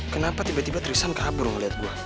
kenapa tiba tiba trisan kabur ngelihat gue